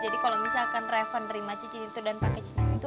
jadi kalau misalkan reva nerima cincin itu dan pakai cincin itu